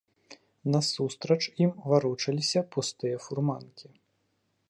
Насустрач ім варочаліся пустыя фурманкі.